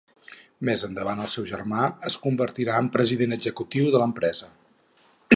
Més endavant el seu germà es convertirà en president executiu de l'empresa.